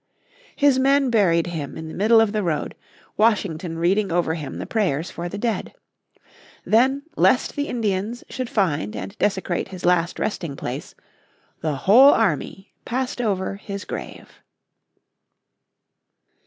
His men buried him in the middle of the road, Washington reading over him the prayers for the dead. Then lest the Indians should find and desecrate his last resting place the whole army passed over his grave.